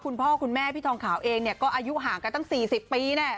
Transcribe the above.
คุณพ่อคุณแม่พี่ทองขาวเองเนี่ยก็อายุห่างกันตั้ง๔๐ปีแน่